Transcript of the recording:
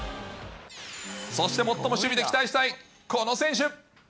そして最も守備で期待したいこの選手。